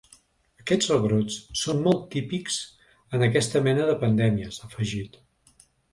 Aquests rebrots són molt típics en aquesta mena de pandèmies, ha afegit.